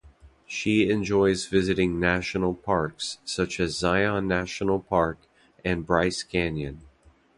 She enjoys visiting national parks such as Zion National Park and Bryce Canyon.